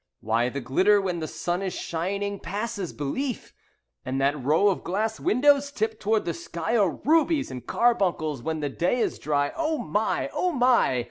Why, the glitter when the sun is shining passes belief. And that row of glass windows tipped toward the sky Are rubies and carbuncles when the day is dry. Oh, my! Oh, my!